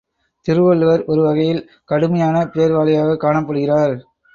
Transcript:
திருவள்ளுவர் ஒரு வகையில் கடுமையான பேர் வழியாகக் காணப்படுகிறார்.